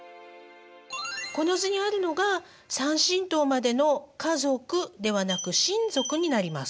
この図にあるのが３親等までの「家族」ではなく「親族」になります。